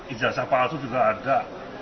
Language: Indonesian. ijazah palsu juga ada